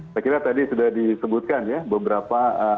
saya kira tadi sudah disebutkan ya beberapa